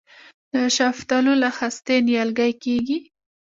د شفتالو له خستې نیالګی کیږي؟